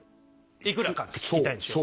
いくらかって聞きたいんでしょ？